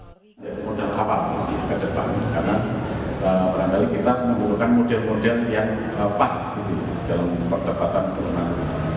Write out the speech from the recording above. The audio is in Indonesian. menjadi model awal ke depan karena barangkali kita membutuhkan model model yang pas dalam percepatan kewenangan